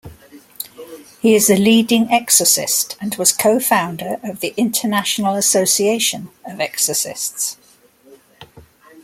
He is a leading exorcist and was co-founder of the International Association of Exorcists.